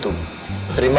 karena pintu segera dibuka